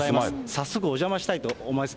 早速、お邪魔したいと思います。